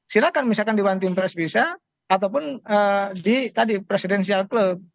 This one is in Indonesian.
silahkan misalkan di one team press bisa ataupun di tadi presidential club